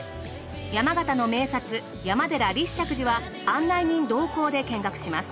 山形の名刹山寺・立石寺は案内人同行で見学します。